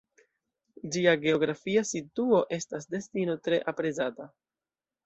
Ĝia geografia situo estas destino tre aprezata.